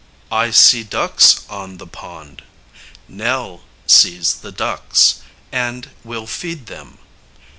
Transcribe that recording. I see ducks on the pond. Nell sees the ducks, and will feed them.